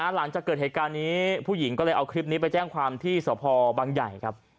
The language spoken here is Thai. หลังจากเกิดเหตุการณ์นี้ผู้หญิงก็เลยเอาคลิปนี้ไปแจ้งความที่สพบังใหญ่ครับ